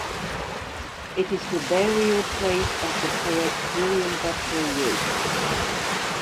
It is the burial place of the poet William Butler Yeats.